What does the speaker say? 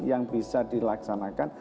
yang bisa dilaksanakan